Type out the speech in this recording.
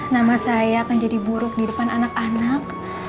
nama saya akan jadi buruk di depan anak anak